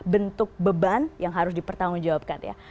bentuk beban yang harus dipertanggungjawabkan ya